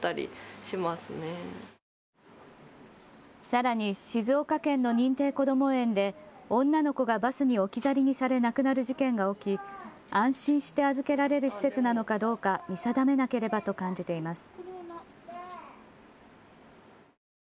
さらに静岡県の認定こども園で女の子がバスに置き去りにされ亡くなる事件が起き、安心して預けられる施設なのかどうか見定めなければと感じています。